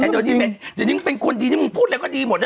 แต่เดี๋ยวนี้เป็นคนดีพูดอะไรก็ดีหมด